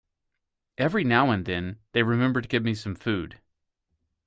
Every now and then they remember to give me some food.